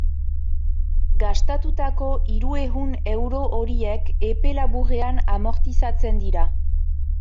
Gastatutako hirurehun euro horiek epe laburrean amortizatzen dira.